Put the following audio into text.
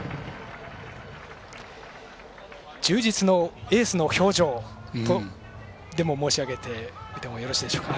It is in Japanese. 充実のエースの表情とでも申し上げてもよろしいでしょうか。